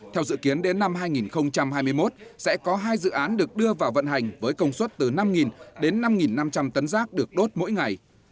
theo dự kiến đến năm hai nghìn hai mươi một sẽ có hai dự án được đưa vào vận hành với công suất từ năm đến năm năm trăm linh tấn rác được đốt mỗi ngày